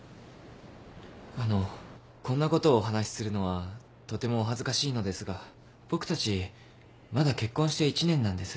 あのこんなことをお話しするのはとてもお恥ずかしいのですが僕たちまだ結婚して一年なんです。